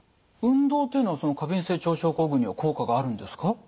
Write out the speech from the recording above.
運動というのは過敏性腸症候群には効果があるんですか？